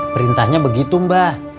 perintahnya begitu mbak